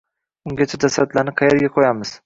— Ungacha jasadlarni qaerga qo‘yamiz?